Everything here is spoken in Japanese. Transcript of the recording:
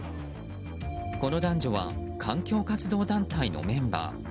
この男女は環境活動団体のメンバー。